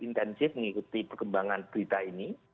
intensif mengikuti perkembangan berita ini